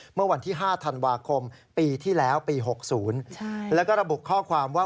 เมื่อวันที่๕ธันวาคมปีที่แล้วปี๖๐แล้วก็ระบุข้อความว่า